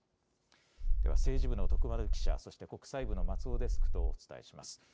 政治部の徳丸記者、そして国際部の松尾デスクとお伝えします。